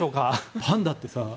パンダってさ